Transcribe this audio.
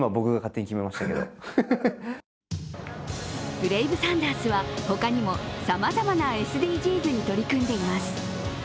ブレイブサンダースは、他にもさまざまなＳＤＧｓに取り組んでいます。